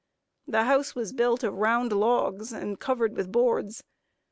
The house was built of round logs, and was covered with boards.